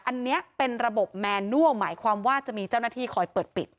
อันนี้เป็นระบบแมนัลหมายความว่าจะมีเจ้าหน้าที่คอยเปิดปิด